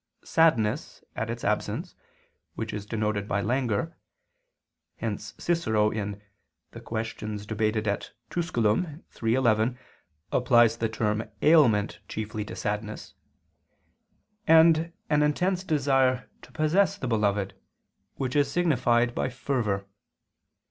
sadness at its absence, which is denoted by "languor" (hence Cicero in De Tusc. Quaest. iii, 11 applies the term "ailment" chiefly to sadness); and an intense desire to possess the beloved, which is signified by "fervor."